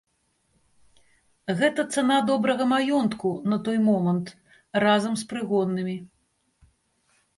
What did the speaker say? Гэта цана добрага маёнтку на той момант, разам з прыгоннымі.